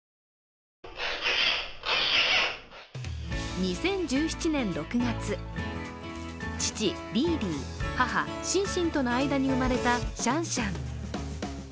２０１７年６月、父・リーリー、母・シンシンとの間に生まれたシャンシャン。